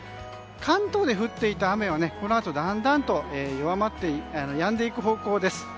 関東で降っていた雨はこのあとだんだんとやんでいく方向です。